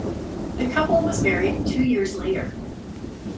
The couple was married two years later.